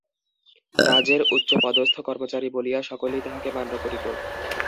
রাজ্যের উচ্চপদস্থ কর্মচারী বলিয়া সকলেই তাঁহাকে মান্য করিত।